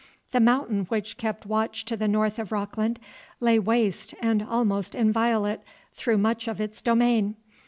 The Mountain which kept watch to the north of Rockland lay waste and almost inviolate through much of its domain.